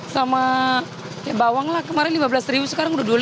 sama bawang lah kemarin lima belas ribu sekarang udah dua puluh lima dua puluh delapan